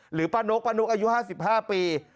ป้านกป้านกอายุ๕๕ปี